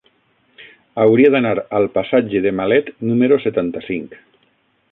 Hauria d'anar al passatge de Malet número setanta-cinc.